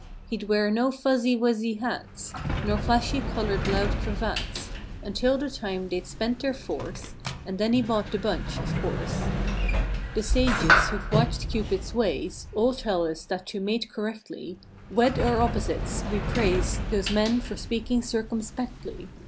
He'd wear no "fuzzy wuzzy" hats. Nor flashy colored loud cravats Until the time they'd "spent their force" And then he bought the bunch, of course. The sages who've watched Cupid's ways All tell us that to mate correctly— "Wed our opposites." We praise Those men for speaking circumspectly.